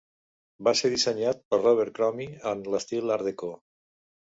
Va ser dissenyat per Robert Cromie en l'estil art-déco.